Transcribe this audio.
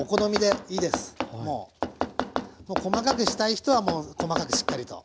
もう細かくしたい人はもう細かくしっかりと。